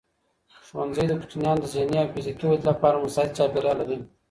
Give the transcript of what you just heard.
ښوونځی د کوچنیانو د ذهني او فزیکي ودې لپاره مساعد چاپېریال لري.